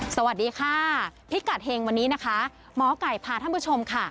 สวัสดีค่ะพิกัดเฮงวันนี้นะคะหมอไก่พาท่านผู้ชมค่ะ